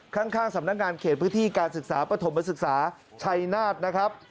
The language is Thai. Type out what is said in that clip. ข้างสำนักงานเขตพื้นที่การศึกษาปฐมศึกษาชัยนาธนะครับ